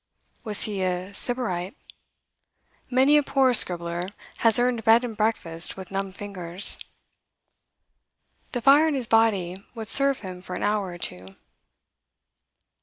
Was he a sybarite? Many a poor scribbler has earned bed and breakfast with numb fingers. The fire in his body would serve him for an hour or two.